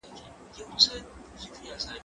کېدای سي سينه سپين ستونزي ولري،